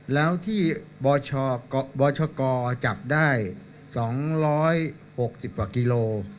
แล้วที่บชกจับได้๒๖๐กว่ากิโล